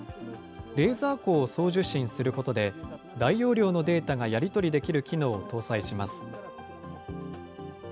レーザー光を送受信することで、大容量のデータがやり取りできる機能を搭載します。